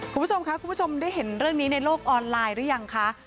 คุณผู้ชมค่ะคุณผู้ชมได้เห็นเรื่องนี้ในโลกออนไลน์หรือยังคะ